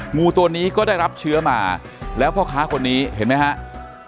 งูตัวนี้ก็ได้รับเชื้อมาแล้วพ่อค้าคนนี้เห็นไหมครับ